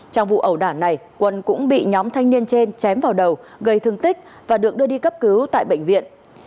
trong vụ ẩu đả này quân cũng bị nhóm thanh niên trên chém vào đầu gây thương tích và được đưa đi cấp cứu tại bệnh viện